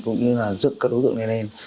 cũng như là dựng các đối tượng này lên